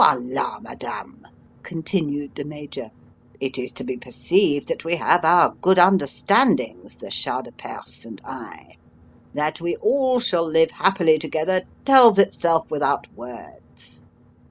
"Voilà, Madame!" continued the Major. "It is to be perceived that we have our good understandings, the Shah de Perse and I. That we all shall live happily together tells itself without words.